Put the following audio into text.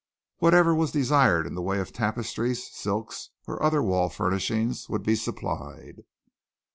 Whatever was desired in the way of tapestries, silks or other wall furnishing would be supplied.